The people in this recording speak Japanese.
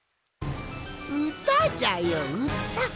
うたじゃようた！